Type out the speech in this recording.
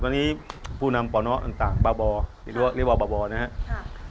อันนี้ผู้นำป่อน้อต่างบ่อนี่เรียกว่าบ่อนะครับ